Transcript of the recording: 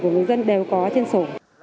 của người dân đều có trên sổ